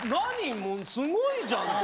もうすごいじゃん。